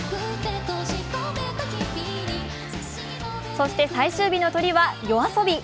そして、最終日のトリはＹＯＡＳＯＢＩ。